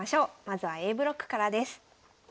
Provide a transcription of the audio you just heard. まずはＡブロックからです。